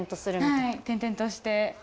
はい転々として。